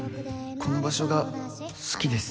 この場所が好きです